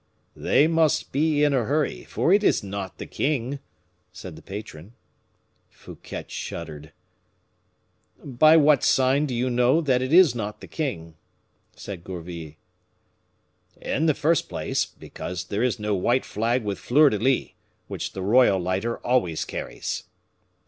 "They must be in a hurry, for it is not the king," said the patron. Fouquet shuddered. "By what sign do you know that it is not the king?" said Gourville. "In the first place, because there is no white flag with fleurs de lis, which the royal lighter always carries."